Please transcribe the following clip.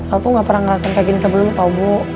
aku gak pernah ngerasain kayak gini sebelum tau bu